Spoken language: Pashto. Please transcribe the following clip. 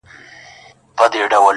o چي مور ميره سي، پلار پلندر سي٫